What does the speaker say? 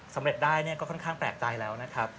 สำเร็จได้เนี่ยก็ค่อนข้างแปลกใจแล้วนะครับ